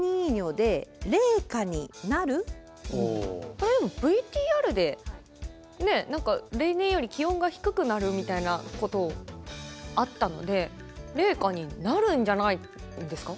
これでもＶＴＲで何か例年より気温が低くなるみたいなことあったので冷夏になるんじゃないんですか？